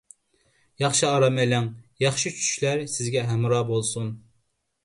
ياخشى ئارام ئېلىڭ، ياخشى چۈشلەر سىزگە ھەمراھ بولسۇن!